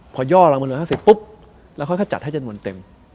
พอย่อรังบนเรือ๕๐ปุ๊บแล้วค่อยจัดให้จำนวนเต็ม